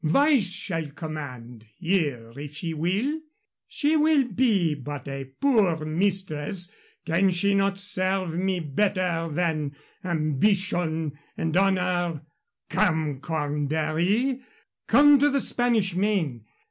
Vice shall command here if she will. She will be but a poor mistress can she not serve me better than Ambition and Honor. Come, Cornbury. Come to the Spanish Main.